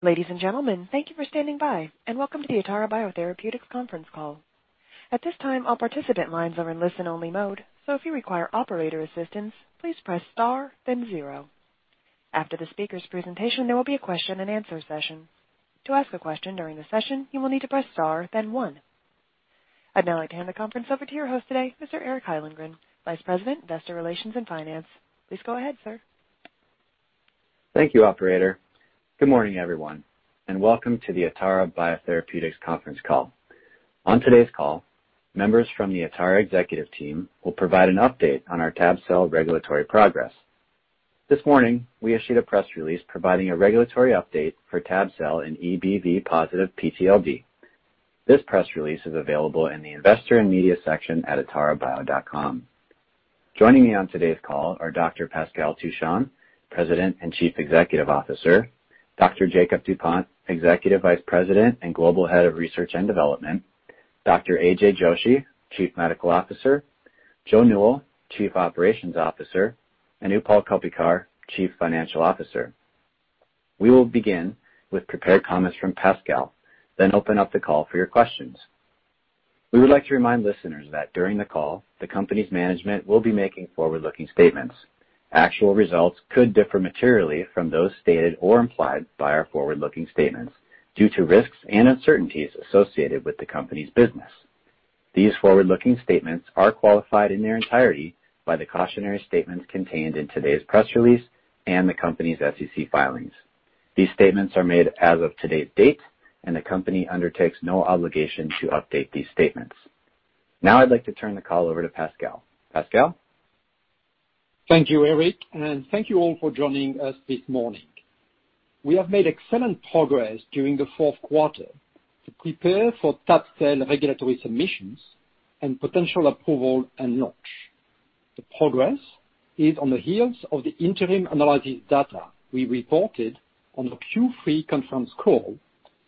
Ladies and gentlemen, thank you for standing by, and welcome to the Atara Biotherapeutics conference call. At this time, all participant lines are in listen-only mode, so if you require operator assistance, please press star then zero. After the speaker's presentation, there will be a question-and-answer session. To ask a question during the session, you will need to press star then one. I'd now like to hand the conference over to your host today, Mr. Eric Hyllengren, Vice President, Investor Relations and Finance. Please go ahead, sir. Thank you, operator. Good morning, everyone, and welcome to the Atara Biotherapeutics conference call. On today's call, members from the Atara executive team will provide an update on our tabelecleucel regulatory progress. This morning, we issued a press release providing a regulatory update for tabelecleucel in EBV-positive PTLD. This press release is available in the investor and media section at atarabio.com. Joining me on today's call are Dr. Pascal Touchon, President and Chief Executive Officer, Dr. Jakob Dupont, Executive Vice President and Global Head of Research and Development, Dr. Manher Joshi, Chief Medical Officer, Joseph Newell, Chief Operations Officer, and Utpal Koppikar, Chief Financial Officer. We will begin with prepared comments from Pascal, then open up the call for your questions. We would like to remind listeners that during the call, the company's management will be making forward-looking statements. Actual results could differ materially from those stated or implied by our forward-looking statements due to risks and uncertainties associated with the company's business. These forward-looking statements are qualified in their entirety by the cautionary statements contained in today's press release and the company's SEC filings. These statements are made as of today's date. The company undertakes no obligation to update these statements. Now I'd like to turn the call over to Pascal. Pascal? Thank you, Eric, and thank you all for joining us this morning. We have made excellent progress during the fourth quarter to prepare for tab-cel regulatory submissions and potential approval and launch. The progress is on the heels of the interim analysis data we reported on the Q3 conference call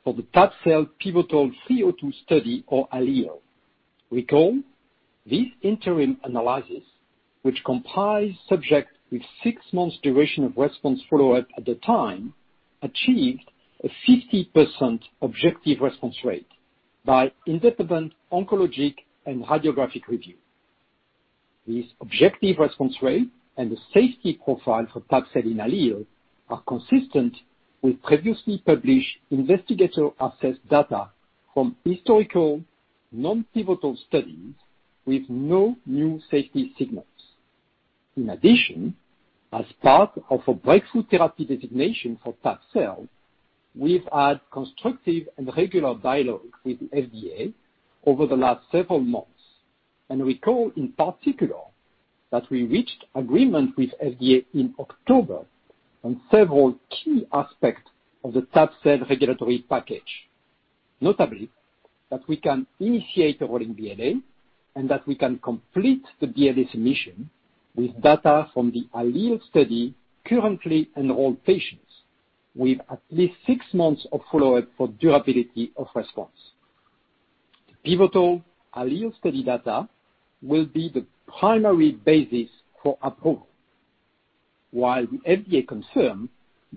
for the tab-cel pivotal 302 study, or ALLELE. Recall, this interim analysis, which compiles subjects with six months duration of response follow-up at the time, achieved a 50% objective response rate by independent oncologic and radiographic review. This objective response rate and the safety profile for tab-cel in ALLELE are consistent with previously published investigator-assessed data from historical non-pivotal studies with no new safety signals. In addition, as part of a Breakthrough Therapy designation for tabelecleucel, we've had constructive and regular dialogue with the FDA over the last several months, and recall in particular that we reached agreement with FDA in October on several key aspects of the tab-cel regulatory package. Notably, that we can initiate a rolling BLA, and that we can complete the BLA submission with data from the ALLELE study currently in all patients with at least six months of follow-up for durability of response. The pivotal ALLELE study data will be the primary basis for approval. While the FDA confirmed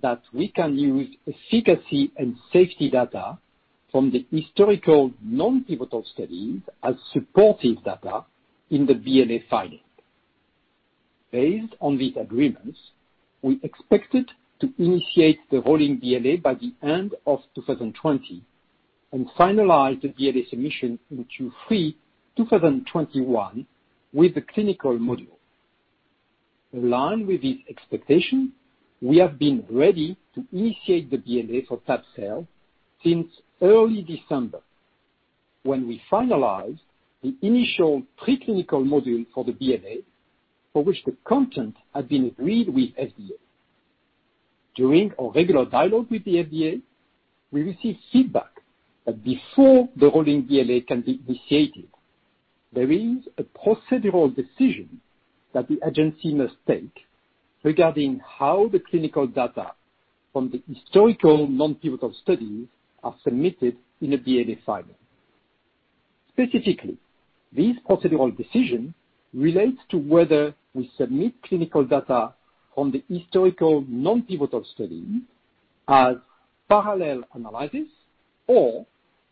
that we can use efficacy and safety data from the historical non-pivotal studies as supportive data in the BLA filing. Based on these agreements, we expected to initiate the rolling BLA by the end of 2020 and finalize the BLA submission in Q3 2021 with the clinical module. In line with this expectation, we have been ready to initiate the BLA for tab-cel since early December, when we finalized the initial preclinical module for the BLA, for which the content had been agreed with the FDA. During our regular dialogue with the FDA, we received feedback that before the rolling BLA can be initiated, there is a procedural decision that the agency must take regarding how the clinical data from the historical non-pivotal studies are submitted in a BLA filing. Specifically, this procedural decision relates to whether we submit clinical data from the historical non-pivotal study as parallel analysis or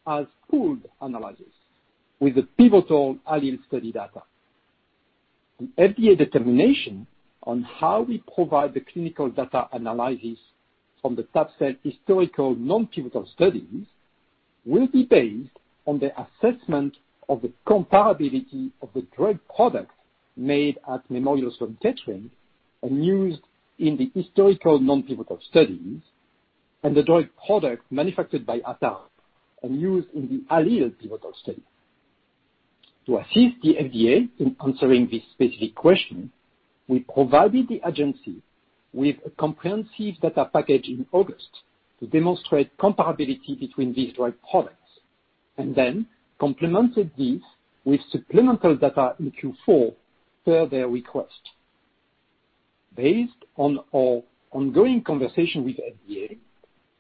as pooled analysis with the pivotal ALLELE study data. An FDA determination on how we provide the clinical data analysis from the tabelecleucel historical non-pivotal studies will be based on the assessment of the comparability of the drug product made at Memorial Sloan Kettering and used in the historical non-pivotal studies and the drug product manufactured by Atara and used in the ALLELE pivotal study. To assist the FDA in considering this specific question, we provided the agency with a comprehensive data package in August to demonstrate comparability between these drug products, and then complemented this with supplemental data in Q4 per their request. Based on our ongoing conversation with FDA,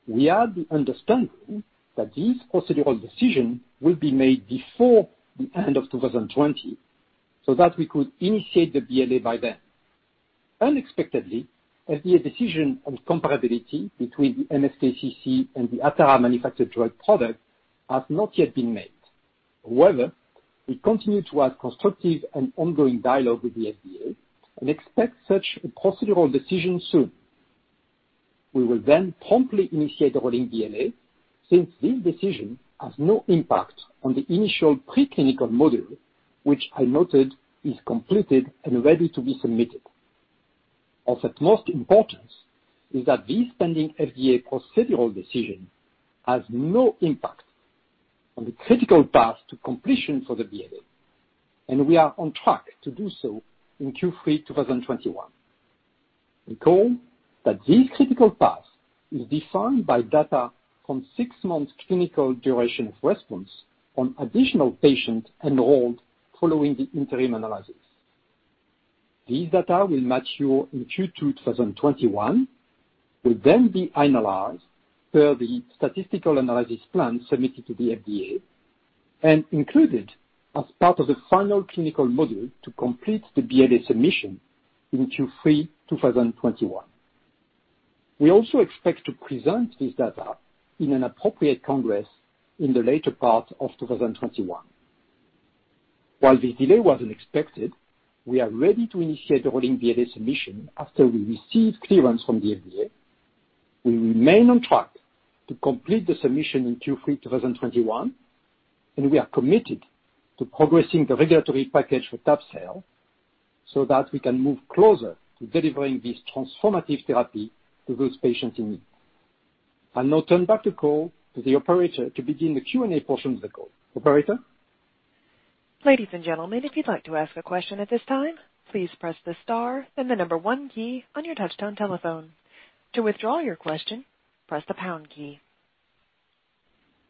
we had the understanding that this procedural decision will be made before the end of 2020, so that we could initiate the BLA by then. Unexpectedly, FDA decision on comparability between the MSKCC and the Atara-manufactured drug product has not yet been made. However, we continue to have constructive and ongoing dialogue with the FDA and expect such a procedural decision soon. We will then promptly initiate a rolling BLA since this decision has no impact on the initial preclinical module, which I noted is completed and ready to be submitted. Of utmost importance is that this pending FDA procedural decision has no impact on the critical path to completion for the BLA, and we are on track to do so in Q3 2021. Recall that this critical path is defined by data from six months' clinical duration of response on additional patients enrolled following the interim analysis. This data will mature in Q2 2021, will then be analyzed per the statistical analysis plan submitted to the FDA, and included as part of the final clinical module to complete the BLA submission in Q3 2021. We also expect to present this data in an appropriate congress in the later part of 2021. While this delay was unexpected, we are ready to initiate the rolling BLA submission after we receive clearance from the FDA. We remain on track to complete the submission in Q3 2021, and we are committed to progressing the regulatory package for tab-cel so that we can move closer to delivering this transformative therapy to those patients in need. I'll now turn back the call to the operator to begin the Q&A portion of the call. Operator?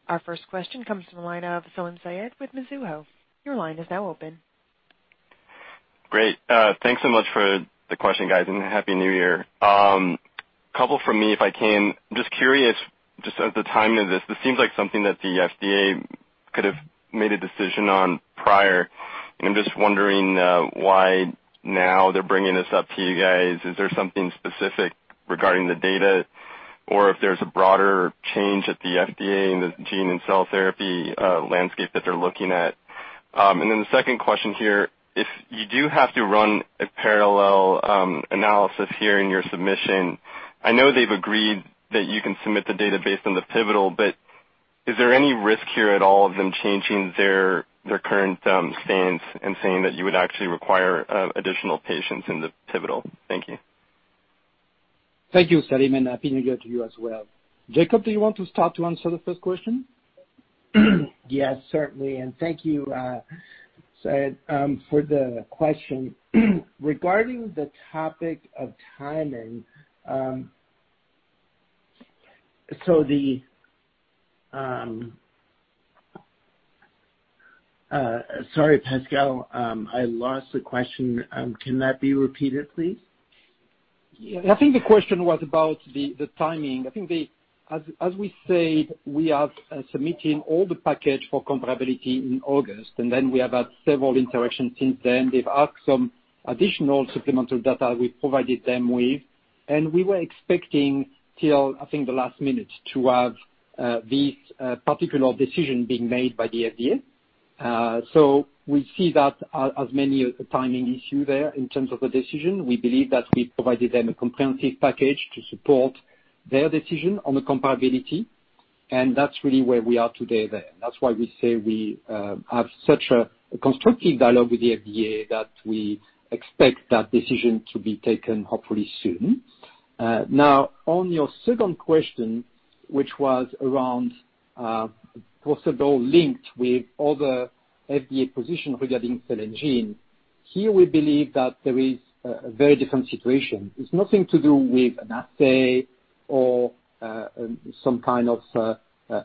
Our first question comes from the line of Salim Syed with Mizuho Securities. Great. Thanks so much for the question, guys, and Happy New Year. Couple from me, if I can. I'm just curious, just at the timing of this seems like something that the FDA could have made a decision on prior, and I'm just wondering why now they're bringing this up to you guys. Is there something specific regarding the data, or if there's a broader change at the FDA in the gene and cell therapy landscape that they're looking at? The second question here, if you do have to run a parallel analysis here in your submission, I know they've agreed that you can submit the data based on the pivotal, but is there any risk here at all of them changing their current stance and saying that you would actually require additional patients in the pivotal? Thank you. Thank you, Salim, and happy New Year to you as well. Jakob, do you want to start to answer the first question? Yes, certainly. Thank you, Syed, for the question. Regarding the topic of timing, sorry, Pascal, I lost the question. Can that be repeated, please? I think the question was about the timing. I think as we said, we have submitting all the package for comparability in August. We have had several interactions since then. They've asked some additional supplemental data we provided them with, and we were expecting till, I think, the last minute to have this particular decision being made by the FDA. We see that as mainly a timing issue there in terms of the decision. We believe that we provided them a comprehensive package to support their decision on the comparability. That's really where we are today there. That's why we say we have such a constructive dialogue with the FDA that we expect that decision to be taken, hopefully soon. On your second question, which was around, possibly linked with other FDA positions regarding cell and gene, here we believe that there is a very different situation. It has nothing to do with an assay or some kind of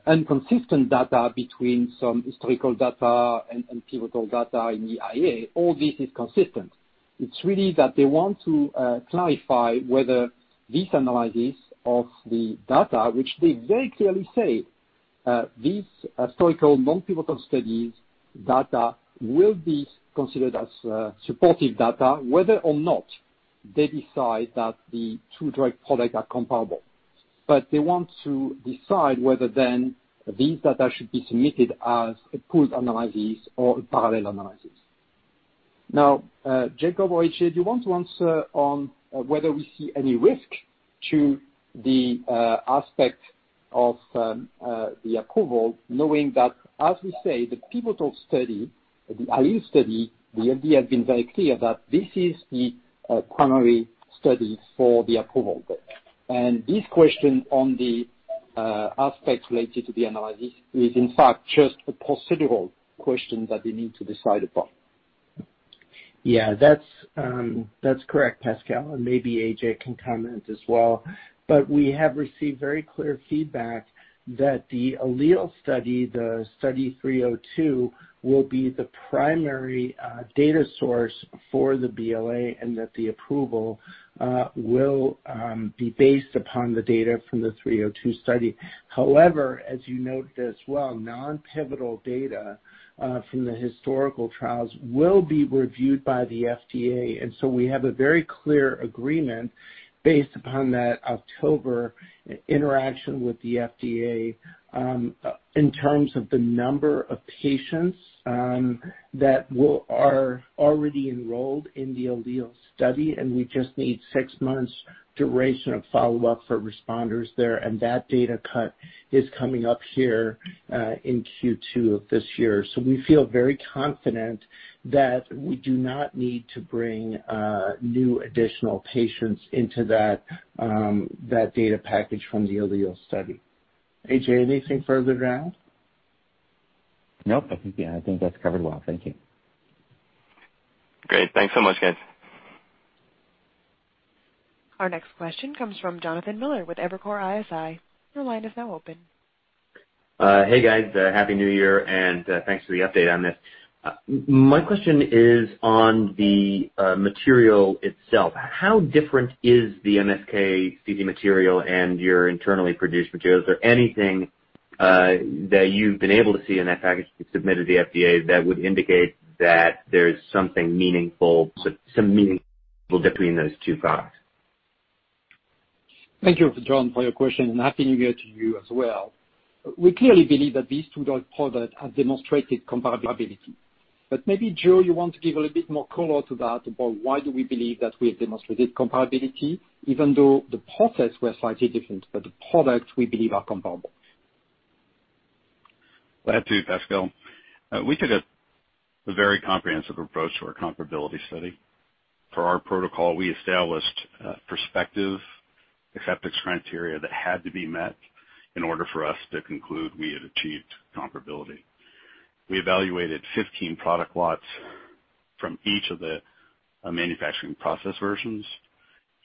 inconsistent data between some historical data and pivotal data in the IA. All this is consistent. It is really that they want to clarify whether this analysis of the data, which they very clearly say, these historical non-pivotal studies data will be considered as supportive data, whether or not they decide that the two direct products are comparable. They want to decide whether then this data should be submitted as a pooled analysis or a parallel analysis. Jakob or AJ, do you want to answer on whether we see any risk to the aspect of the approval, knowing that, as we say, the pivotal study, the ALLELE study, the FDA has been very clear that this is the primary study for the approval. This question on the aspect related to the analysis is, in fact, just a procedural question that they need to decide upon. Yeah, that's correct, Pascal, and maybe AJ can comment as well. We have received very clear feedback that the ALLELE study, the Study 302, will be the primary data source for the BLA and that the approval will be based upon the data from the 302 study. However, as you note as well, non-pivotal data from the historical trials will be reviewed by the FDA. We have a very clear agreement based upon that October interaction with the FDA in terms of the number of patients that are already enrolled in the ALLELE study, and we just need six months duration of follow-up for responders there. That data cut is coming up here in Q2 of this year. We feel very confident that we do not need to bring new additional patients into that data package from the ALLELE study. AJ, anything further to add? Nope. I think that's covered well. Thank you. Great. Thanks so much, guys. Our next question comes from Jonathan Miller with Evercore ISI. Your line is now open. Hey, guys. Happy New Year, and thanks for the update on this. My question is on the material itself. How different is the MSK clinical material and your internally produced materials? Is there anything that you've been able to see in that package you submitted to the FDA that would indicate that there's some meaningful difference between those two products? Thank you, Jon, for your question, and Happy New Year to you as well. We clearly believe that these two products have demonstrated comparability. Maybe, Joshi, you want to give a little bit more color to that about why do we believe that we have demonstrated comparability even though the process was slightly different, but the products, we believe, are comparable. Glad to, Pascal. We took a very comprehensive approach to our comparability study. For our protocol, we established prospective acceptance criteria that had to be met in order for us to conclude we had achieved comparability. We evaluated 15 product lots from each of the manufacturing process versions.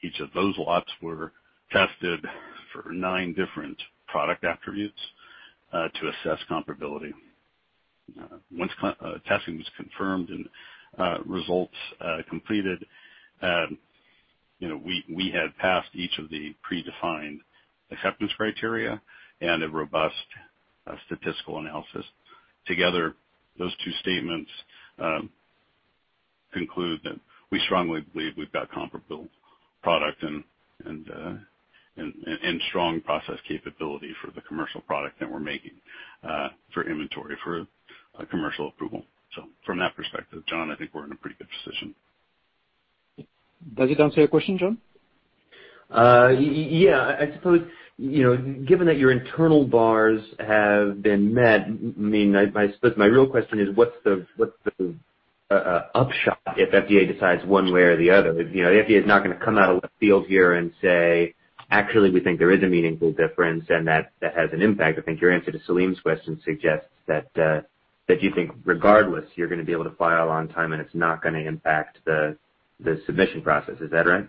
Each of those lots were tested for nine different product attributes to assess comparability. Once testing was confirmed and results completed, we had passed each of the predefined acceptance criteria and a robust statistical analysis. Together, those two statements conclude that we strongly believe we've got a comparable product and strong process capability for the commercial product that we're making for inventory for commercial approval. From that prospective, Jon, I think we're in a pretty good position. Does it answer your question, Jon? Yeah. I suppose, given that your internal bars have been met, I suppose my real question is, what's the upshot if the FDA decides one way or the other? The FDA is not going to come out of left field here and say, "Actually, we think there is a meaningful difference," and that has an impact. I think your answer to Salim's question suggests that you think, regardless, you're going to be able to file on time, and it's not going to impact the submission process. Is that right?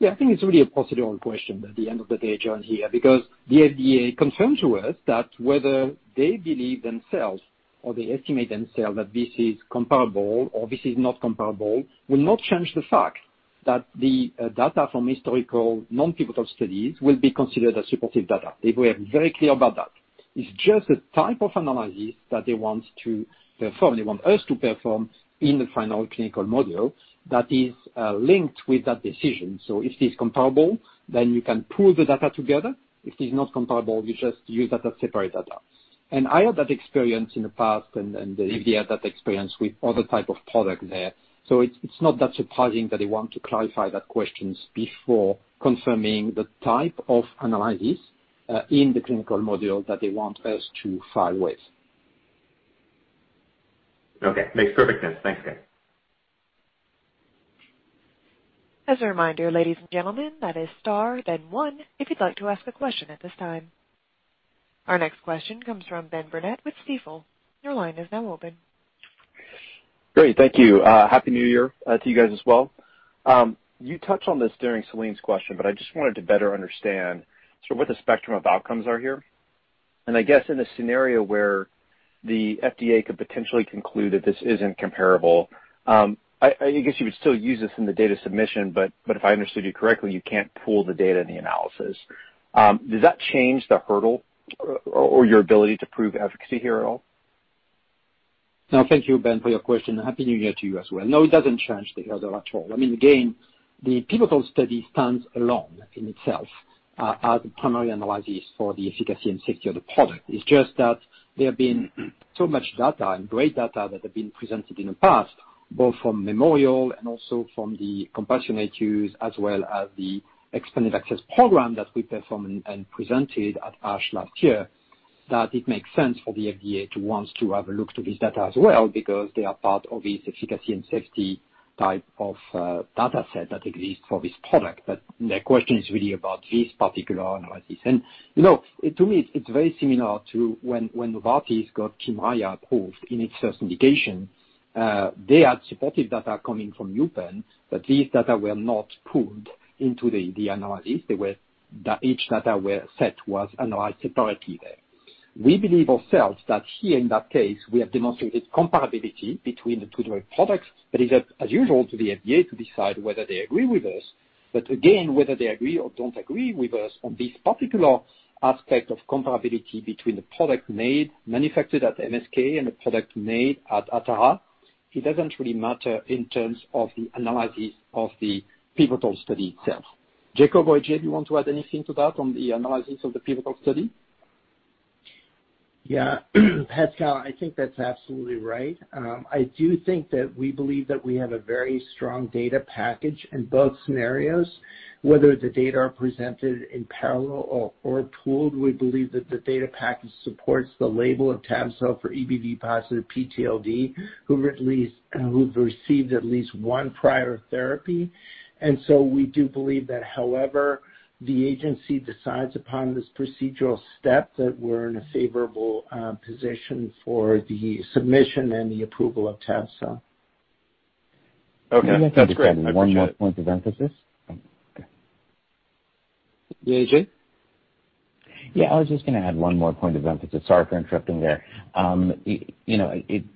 I think it's really a procedural question at the end of the day, Jon, here, because the FDA confirmed to us that whether they believe themselves or they estimate themselves that this is comparable or this is not comparable, will not change the fact that the data from historical non-pivotal studies will be considered as supportive data. They were very clear about that. It's just a type of analysis that they want to perform, they want us to perform in the final clinical module that is linked with that decision. If it's comparable, then you can pool the data together. If it's not comparable, we just use that as separate data. I had that experience in the past, and the FDA had that experience with other type of product there. It's not that surprising that they want to clarify those questions before confirming the type of analysis in the clinical module that they want us to file with. Okay. Makes perfect sense. Thanks, guys. As a reminder, ladies and gentlemen, that is star, then one, if you'd like to ask a question at this time. Our next question comes from Benjamin Burnett with Stifel. Your line is now open. Great. Thank you. Happy New Year to you guys as well. You touched on this during Salim's question. I just wanted to better understand sort of what the spectrum of outcomes are here. I guess in a scenario where the FDA could potentially conclude that this isn't comparable, I guess you would still use this in the data submission, but if I understood you correctly, you can't pool the data in the analysis. Does that change the hurdle or your ability to prove efficacy here at all? No. Thank you, Ben, for your question, and Happy New Year to you as well. No, it doesn't change the hurdle at all. Again, the pivotal study stands alone in itself as the primary analysis for the efficacy and safety of the product. It's just that there have been so much data and great data that have been presented in the past, both from memorial and also from the compassionate use, as well as the expanded access program that we performed and presented at ASH last year, that it makes sense for the FDA to want to have a look to this data as well. Type of data set that exists for this product. The question is really about this particular analysis. To me, it's very similar to when Novartis got KYMRIAH approved in its first indication. They had supportive data coming from UPenn, but these data were not pooled into the analysis. Each data set was analyzed separately that. We believe ourselves that here in that case, we have demonstrated comparability between the two direct products, but it's up, as usual, to the FDA to decide whether they agree with us. Again, whether they agree or don't agree with us on this particular aspect of comparability between the product made, manufactured at MSK, and the product made at Atara, it doesn't really matter in terms of the analysis of the pivotal study itself. Jakob or AJ, do you want to add anything to that on the analysis of the pivotal study? Pascal, I think that's absolutely right. I do think that we believe that we have a very strong data package in both scenarios, whether the data are presented in parallel or pooled, we believe that the data package supports the label of tab-cel for EBV-positive PTLD, who have received at least one prior therapy. We do believe that, however the agency decides upon this procedural step, that we're in a favorable position for the submission and the approval of tab-cel. Okay. That's great. I appreciate it. One more point of emphasis. AJ? I was just going to add one more point of emphasis. Sorry for interrupting there.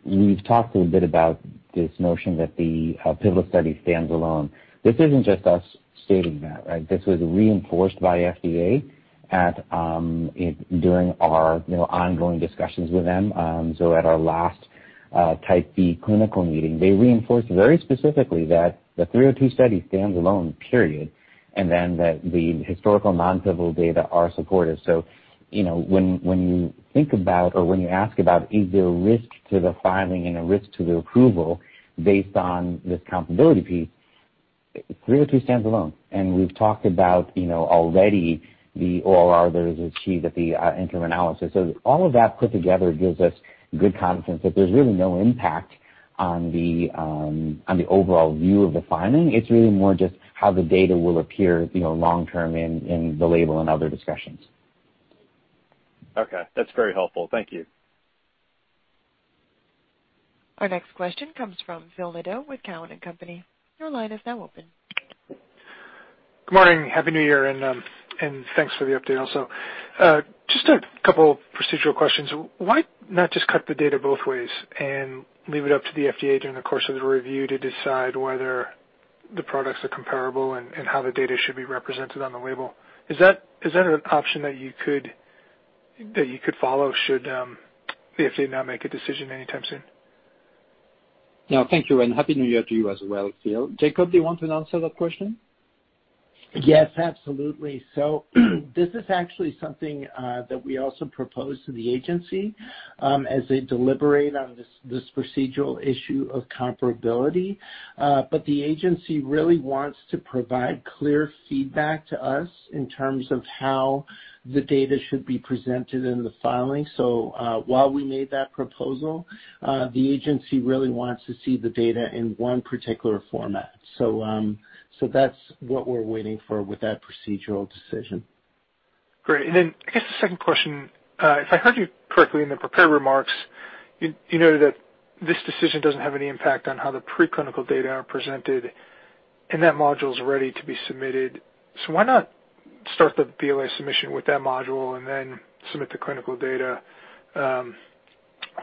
We've talked a little bit about this notion that the pivotal study stands alone. This isn't just us stating that. This was reinforced by FDA during our ongoing discussions with them. At our last Type B clinical meeting, they reinforced very specifically that the stands alone, period, and then that the historical non-pivotal data are supportive. When you think about or when you ask about is there a risk to the filing and a risk to the approval based on this comparability piece, 302 stands alone. We've talked about already the ORR that is achieved at the interim analysis. All of that put together gives us good confidence that there's really no impact on the overall view of the filing. It's really more just how the data will appear long-term in the label and other discussions. Okay. That's very helpful. Thank you. Our next question comes from Phil Nadeau with TD Cowen. Good morning. Happy New Year, and thanks for the update also. Just a couple procedural questions. Why not just cut the data both ways and leave it up to the FDA during the course of the review to decide whether the products are comparable and how the data should be represented on the label? Is that an option that you could follow should the FDA not make a decision anytime soon? Thank you. Happy New Year to you as well, Phil. Jakob, do you want to answer that question? Yes, absolutely. This is actually something that we also propose to the agency as they deliberate on this procedural issue of comparability. The agency really wants to provide clear feedback to us in terms of how the data should be presented in the filing. While we made that proposal, the agency really wants to see the data in one particular format. That's what we're waiting for with that procedural decision. Great. Then I guess the second question, if I heard you correctly in the prepared remarks, you noted that this decision doesn't have any impact on how the preclinical data are presented, and that module's ready to be submitted. Why not start the BLA submission with that module and then submit the clinical data,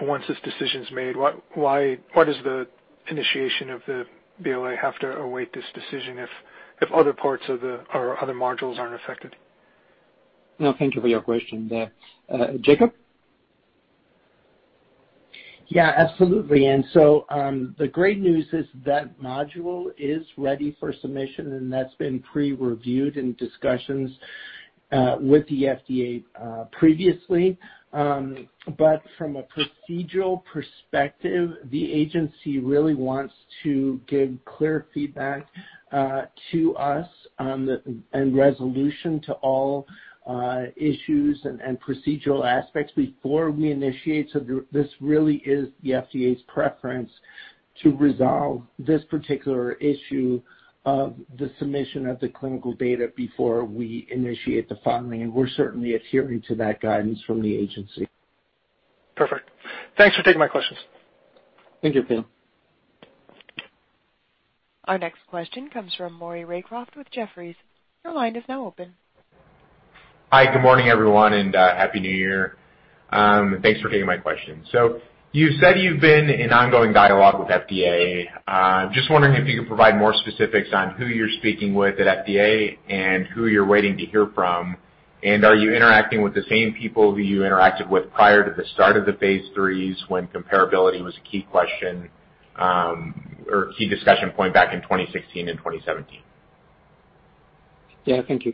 once this decision's made? Why does the initiation of the BLA have to await this decision if other parts of the other modules aren't affected? Thank you for your question. Jakob? Yeah, absolutely. The great news is that module is ready for submission, and that's been pre-reviewed in discussions with the FDA previously. From a procedural prospective, the agency really wants to give clear feedback to us and a resolution to all issues and procedural aspects before we initiate. This really is the FDA's preference to resolve this particular issue of the submission of the clinical data before we initiate the filing, and we're certainly adhering to that guidance from the agency. Perfect. Thanks for taking my questions. Thank you, Phil. Our next question comes from Maury Raycroft with Jefferies. Your line is now open. Hi, good morning, everyone, and Happy New Year. Thanks for taking my question. You said you've been in an ongoing dialogue with the FDA. Just wondering if you could provide more specifics on who you're speaking with at the FDA and who you're waiting to hear from. Are you interacting with the same people who you interacted with prior to the start of the phase IIIs when comparability was a key question, or key discussion point back in 2016 and 2017? Yeah, thank you.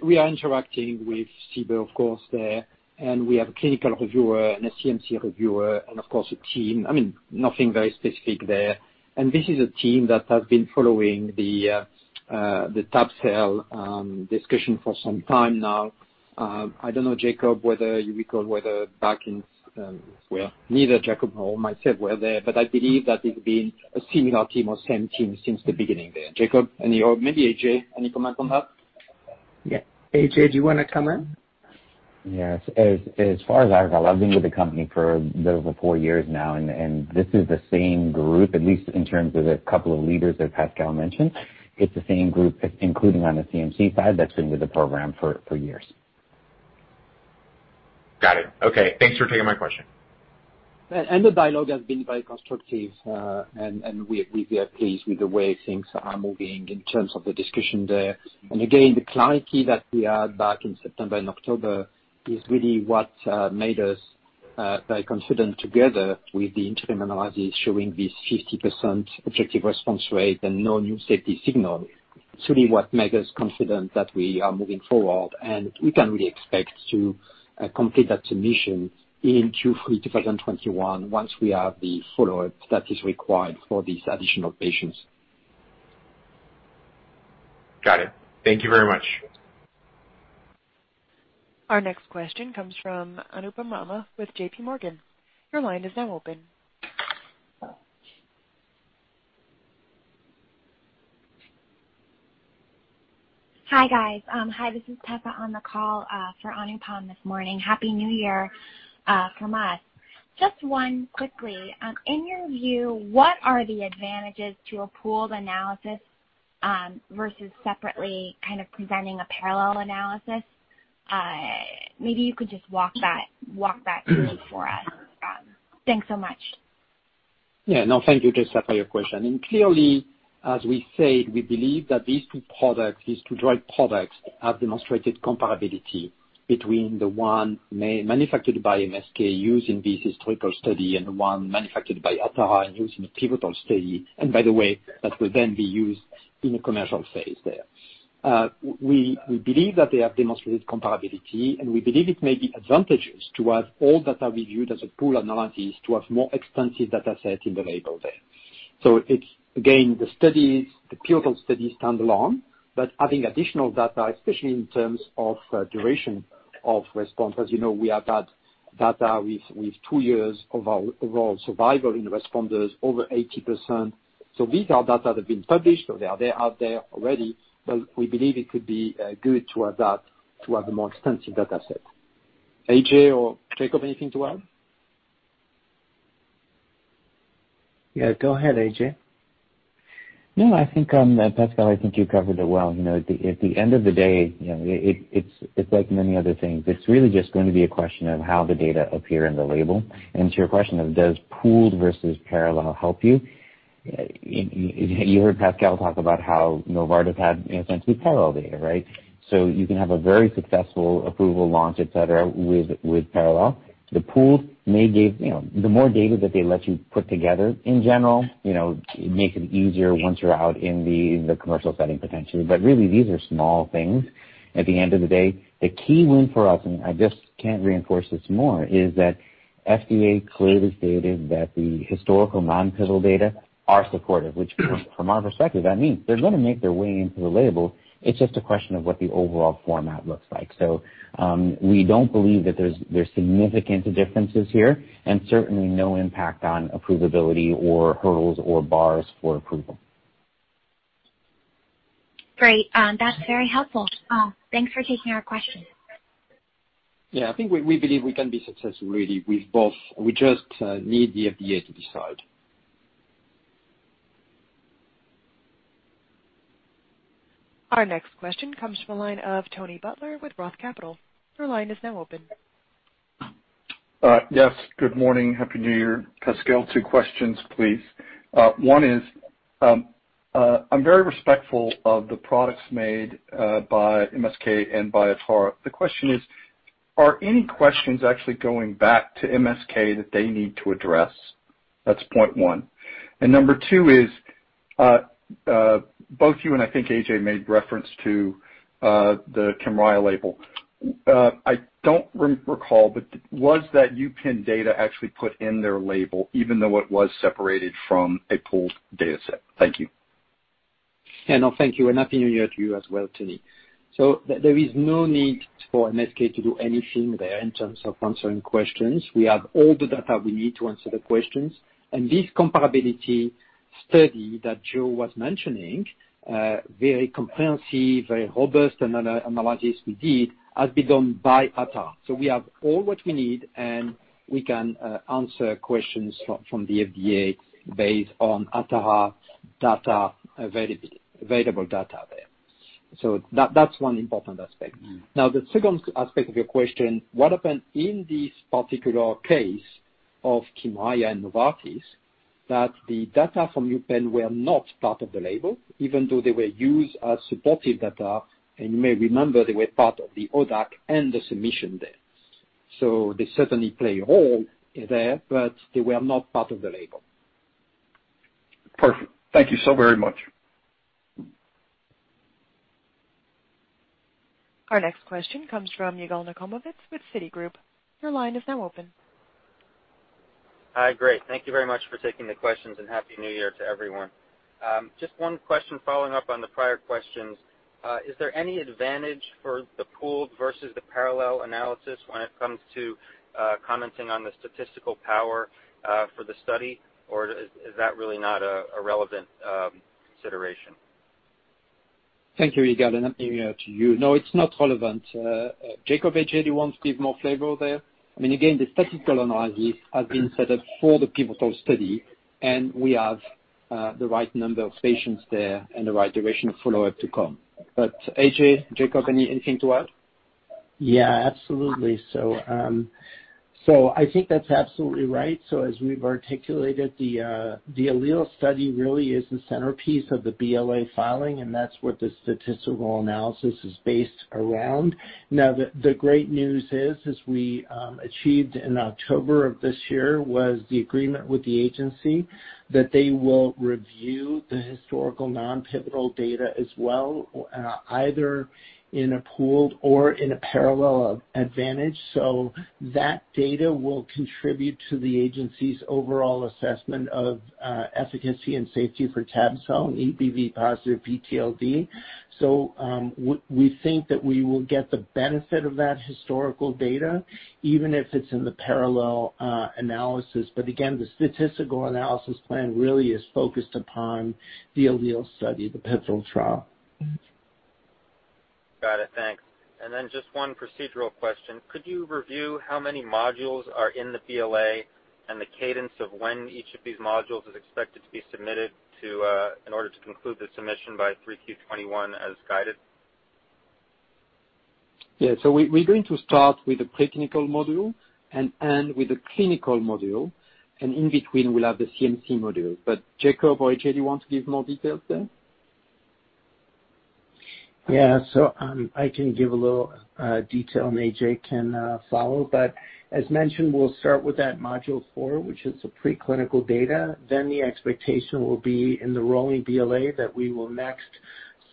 We are interacting with CBER, of course, there, and we have a clinical reviewer and a CMC reviewer and, of course, a team. Nothing very specific there. This is a team that has been following the tabelecleucel discussion for some time now. I don't know, Jakob, whether you recall whether back in, well, neither Jakob nor myself were there, but I believe that it's been a similar team or same team since the beginning there. Jakob? Any, or maybe AJ, any comment on that? Yeah. AJ, do you want to come in? Yes. As far as I'm aware, I've been with the company for a little over 4 years now, and this is the same group, at least in terms of a couple of leaders that Pascal mentioned. It's the same group, including on the CMC side, that's been with the program for years. Got it. Okay. Thanks for taking my question. The dialogue has been very constructive, and we are pleased with the way things are moving in terms of the discussion there. Again, the clarity that we had back in September and October is really what made us very confident together with the interim analysis showing this 50% objective response rate and no new safety signal. It's really what made us confident that we are moving forward, and we can really expect to complete that submission in Q3 2021 once we have the follow-up that is required for these additional patients. Got it. Thank you very much. Our next question comes from Anupam Rama with JPMorgan. Your line is now open. Hi, guys. Hi, this is Tessa on the call for Anupam this morning. Happy New Year from us. Just one quickly. In your view, what are the advantages to a pooled analysis versus separately kind of presenting a parallel analysis? Maybe you could just walk that through for us. Thanks so much. Yeah. No, thank you, Tessa, for your question. Clearly, as we said, we believe that these two products, these two drug products, have demonstrated comparability between the one manufactured by MSK used in this historical study and the one manufactured by Atara and used in the pivotal study, and by the way, that will then be used in the commercial phase there. We believe that they have demonstrated comparability, and we believe it may be advantageous to have all data be viewed as a pool analysis to have a more extensive dataset in the label there. It's, again, the studies, the pivotal studies stand alone, adding additional data, especially in terms of duration of response. As you know, we have had data with two years of overall survival in responders over 80%. These are data that have been published, they are out there already. We believe it could be good to have that, to have a more extensive data set. AJ or Jakob, anything to add? Yeah, go ahead, AJ. I think, Pascal Touchon, I think you covered it well. At the end of the day, it's like many other things. It's really just going to be a question of how the data appear in the label. To your question of does pooled versus parallel help you? You heard Pascal Touchon talk about how Novartis had essentially parallel data, right? You can have a very successful approval, launch, et cetera, with parallel. The pooled may give, the more data that they let you put together, in general, it makes it easier once you're out in the commercial setting, potentially. Really, these are small things. At the end of the day, the key win for us, and I just can't reinforce this more, is that FDA clearly stated that the historical non-pivotal data are supportive, which from our prospective, that means they're going to make their way into the label. It's just a question of what the overall format looks like. We don't believe that there's significant differences here, and certainly no impact on approvability or hurdles or bars for approval. Great. That's very helpful. Thanks for taking our question. Yeah, I think we believe we can be successful, really, with both. We just need the FDA to decide. Our next question comes from the line of Tony Butler with Roth Capital. Your line is now open. Yes, good morning. Happy New Year. Pascal, two questions, please. One is, I'm very respectful of the products made by MSK and by Atara. The question is, are any questions actually going back to MSK that they need to address? That's point one. Number two is, both you and I think AJ made reference to the KYMRIAH label. I don't recall, but was that UPenn data actually put in their label, even though it was separated from a pooled data set? Thank you. Thank you, and a happy new year to you as well, Tony. There is no need for MSK to do anything there in terms of answering questions. We have all the data we need to answer the questions. This comparability study that Joe was mentioning, very comprehensive, very robust analysis we did, has been done by Atara. We have all what we need, and we can answer questions from the FDA based on Atara available data there. That's one important aspect. Now, the second aspect of your question, what happened in this particular case of KYMRIAH and Novartis, that the data from UPenn were not part of the label, even though they were used as supportive data. You may remember they were part of the ODAC and the submission there. They certainly play a role there, but they were not part of the label. Perfect. Thank you so very much. Our next question comes from Yigal Nochomovitz with Citigroup. Your line is now open. Hi. Great. Thank you very much for taking the questions, and Happy New Year to everyone. Just one question, following up on the prior questions. Is there any advantage for the pooled versus the parallel analysis when it comes to commenting on the statistical power for the study? Or is that really not a relevant consideration? Thank you, Yigal. I'm giving over to you. No, it's not relevant. Jakob, AJ, do you want to give more flavor there? Again, the statistical analysis has been set up for the pivotal study, and we have the right number of patients there and the right duration of follow-up to come. AJ, Jakob, anything to add? Yeah, absolutely. I think that's absolutely right. As we've articulated, the ALLELE study really is the centerpiece of the BLA filing, and that's what the statistical analysis is based around. The great news is, as we achieved in October of this year, was the agreement with the agency that they will review the historical non-pivotal data as well, either in a pooled or in a parallel advantage. That data will contribute to the agency's overall assessment of efficacy and safety for tab-cel and EBV-positive PTLD. We think that we will get the benefit of that historical data, even if it's in the parallel analysis. Again, the statistical analysis plan really is focused upon the ALLELE study, the pivotal trial. Got it. Thanks. Then just one procedural question. Could you review how many modules are in the BLA and the cadence of when each of these modules is expected to be submitted in order to conclude the submission by 3Q 2021 as guided? Yeah. We're going to start with the preclinical module and end with the clinical module. In between, we'll have the CMC module. Jakob or AJ, do you want to give more details there? I can give a little detail, and AJ can follow. As mentioned, we'll start with that Module 4, which is the preclinical data. The expectation will be in the rolling BLA that we will next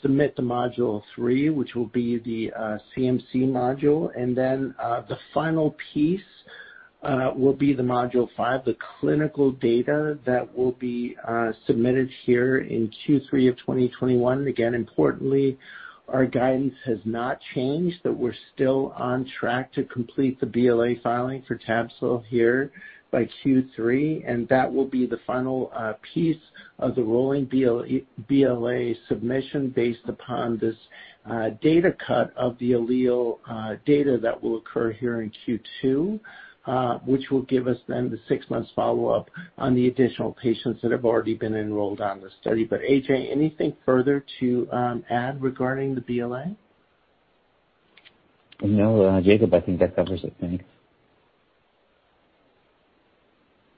submit the Module 3, which will be the CMC module. The final piece will be the Module 5, the clinical data that will be submitted here in Q3 of 2021. Again, importantly, our guidance has not changed, that we're still on track to complete the BLA filing for tab-cel here by Q3, and that will be the final piece of the rolling BLA submission based upon this data cut of the ALLELE data that will occur here in Q2, which will give us then the six months follow-up on the additional patients that have already been enrolled on the study. AJ, anything further to add regarding the BLA? No, Jakob, I think that covers it. Thanks.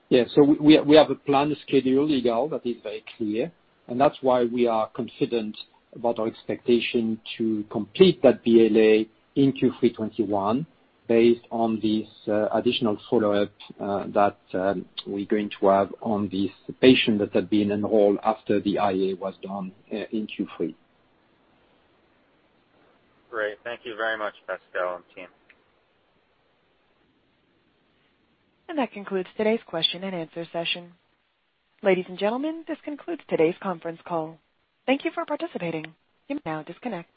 Yeah. We have a planned schedule, Yigal, that is very clear, and that's why we are confident about our expectation to complete that BLA in Q3 2021 based on this additional follow-up that we're going to have on these patients that have been enrolled after the IA was done in Q3. Great. Thank you very much, Pascal and team. That concludes today's question and answer session. Ladies and gentlemen, this concludes today's conference call. Thank you for participating. You may now disconnect.